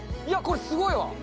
いや、これ、すごいわ。